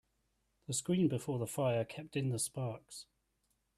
The screen before the fire kept in the sparks.